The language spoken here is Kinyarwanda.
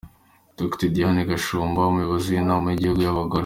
Dr Diane Gashumba, Umuyobozi w'Inama y'Igihugu y'Abagore.